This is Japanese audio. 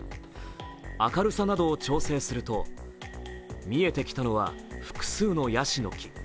明るさなどを調整すると、見えてきたのは複数のやしの木。